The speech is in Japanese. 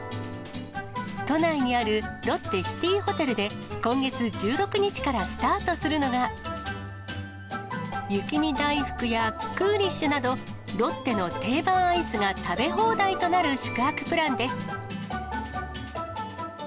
都内にあるロッテシティホテルで、今月１６日からスタートするのが、雪見だいふくやクーリッシュなど、ロッテの定番アイスが食べ放題となる宿泊プランです。